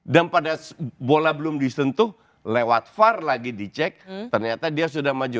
dan pada bola belum disentuh lewat far lagi dicek ternyata dia sudah maju